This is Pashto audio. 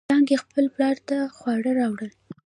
څانگې خپل پلار ته خواړه راوړل.